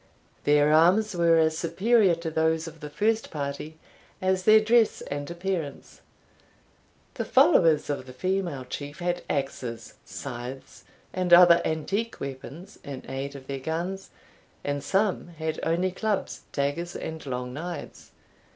Their arms were as superior to those of the first party as their dress and appearance. The followers of the female Chief had axes, scythes, and other antique weapons, in aid of their guns; and some had only clubs, daggers, and long knives.